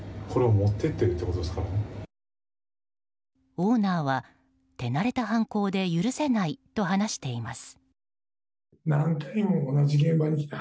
オーナーは、手慣れた犯行で許せないと話しています。